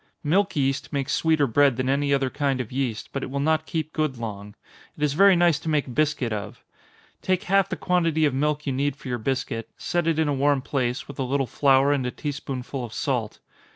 Milk yeast makes sweeter bread than any other kind of yeast, but it will not keep good long. It is very nice to make biscuit of. Take half the quantity of milk you need for your biscuit set it in a warm place, with a little flour, and a tea spoonful of salt.